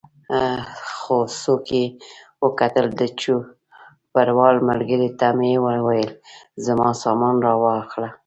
خو څوکۍ یې وګټل، د چوپړوال ملګري ته مې وویل زما سامان را واخله.